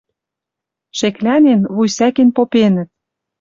Шеклӓнен, вуй сӓкен попенӹт: